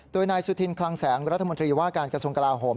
โดยนายสุธินคลังแสงรัฐมนตรีว่าการกระทรวงกลาโหม